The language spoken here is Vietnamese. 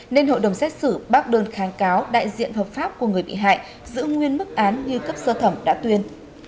nên hội đồng xét xử bác đơn kháng cáo đại diện hợp pháp của người bị hại giữ nguyên mức án như cấp sơ thẩm đã tuyên